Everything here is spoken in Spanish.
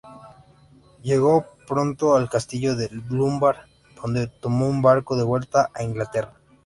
Llegó pronto al castillo de Dunbar, donde tomó un barco de vuelta a Inglaterra.